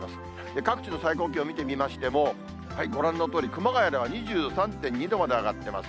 各地の最高気温見てみましても、ご覧のとおり熊谷では２３．２度まで上がっています。